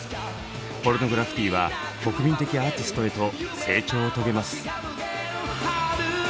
ポルノグラフィティは国民的アーティストへと成長を遂げます。